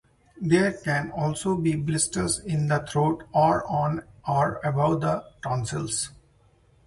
There can also be blisters in the throat, or on or above the tonsils.